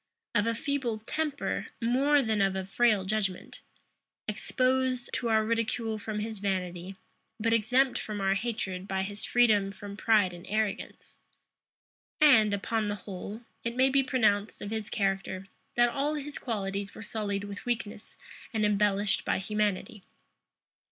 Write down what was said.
Of a feeble temper, more than of a frail judgment; exposed to our ridicule from his vanity; but exempt from our hatred by his freedom from pride and arrogance. And, upon the whole, it may be pronounced of his character, that all his qualities were sullied with weakness and embellished by humanity.